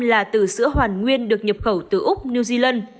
là từ sữa hoàn nguyên được nhập khẩu từ úc new zealand